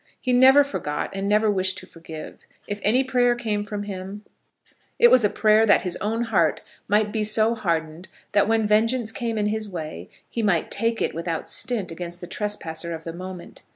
He never forgot, and never wished to forgive. If any prayer came from him, it was a prayer that his own heart might be so hardened that when vengeance came in his way he might take it without stint against the trespasser of the moment.